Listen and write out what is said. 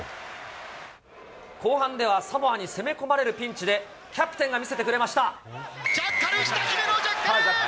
後半ではサモアに攻め込まれるピンチで、キャプテンが見せてくれジャッカルきた、姫野ジャッカル。